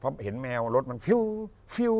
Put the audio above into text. พอเห็นแมวรถมันฟิ้วฟิ้ว